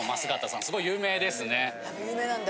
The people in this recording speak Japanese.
有名なんだ。